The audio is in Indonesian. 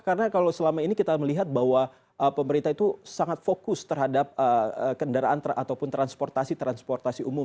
karena kalau selama ini kita melihat bahwa pemerintah itu sangat fokus terhadap kendaraan ataupun transportasi transportasi umum